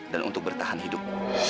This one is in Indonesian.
dan untuk bertahan hidup